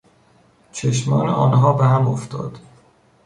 چشمان آنها به هم افتاد.